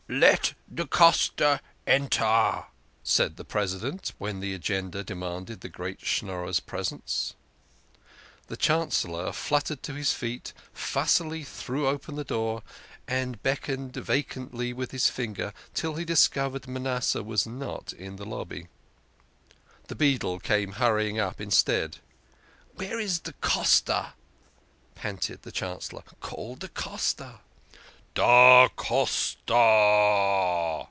" Let da Costa enter," said the President, when the agenda demanded the great Schnorrer's presence. The Chancellor fluttered to his feet, fussily threw open the door, and beckoned vacancy with his finger till he discovered Manasseh was not in the lobby. The beadle came hurrying up instead. " Where is da Costa? " panted the Chancellor. " Call da Costa." " Da Costa !